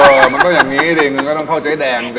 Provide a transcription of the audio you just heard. เออมันก็อย่างนี้ดิเงินก็ต้องเข้าเจ๊แดงดี